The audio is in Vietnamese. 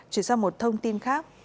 chuyển sang một thông tin khác